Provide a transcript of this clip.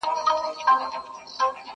ورځ په برخه د سېلۍ وي یو پر بل یې خزانونه،